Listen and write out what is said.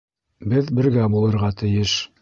Беҙ бергә булырға тейеш!